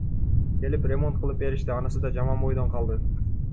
Келип ремонт кылып беришти, анысы да жаман бойдон калды.